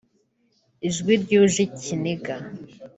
ijwi ryuje ikiniga